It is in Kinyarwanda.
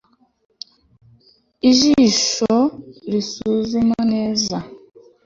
Ijisho risuzuma neza